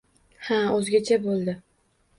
Ha, o‘zgacha bo‘ldi!